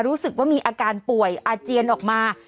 รู้สึกว่ามีอาการป่วยอาเจียนออกมา